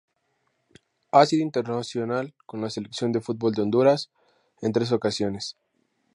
Ha sido internacional con la Selección de fútbol de Honduras en tres ocasiones.